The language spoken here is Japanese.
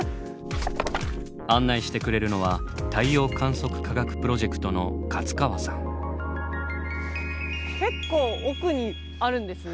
案内してくれるのは結構奥にあるんですね。